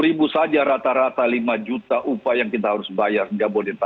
sepuluh ribu saja rata rata lima juta upaya yang kita harus bayar